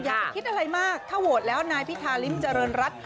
อย่าไปคิดอะไรมากถ้าโหวตแล้วนายพิธาริมเจริญรัฐ